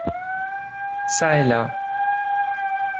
Çà et là.